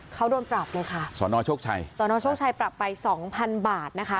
เขาโดนปรับเลยค่ะสนชกชัยปรับไป๒๐๐๐บาทนะคะ